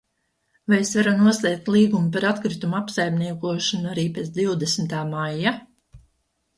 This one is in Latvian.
Vai es varu noslēgt līgumu par atkritumu apsaimniekošanu arī pēc divdesmitā maija?